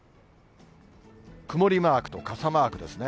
曇りマークと傘マークですね。